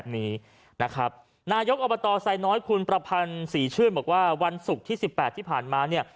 นะครับนายกอบตไซน้อยคุณประพันธ์ศรีชื่นบอกว่าวันศุกร์ที่๑๘ที่ผ่านมาเนี่ย